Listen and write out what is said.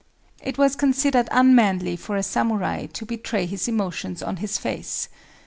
It was considered unmanly for a samurai to betray his emotions on his face.